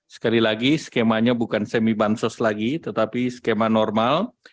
sekali lagi skemanya bukan semi bansos lagi tetapi skema normal